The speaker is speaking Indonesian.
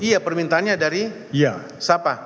iya permintaannya dari siapa